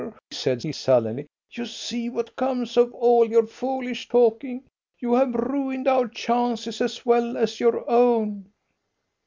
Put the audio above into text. said he sullenly. "You see what comes of all your foolish talking! You have ruined our chances as well as your own!"